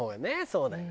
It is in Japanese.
そうだよ。